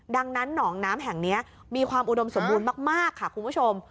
ดังนั้นหนองน้ำแห่งนี้มีความอุดมสมบูรณ์มากค่ะคุณผู้ชม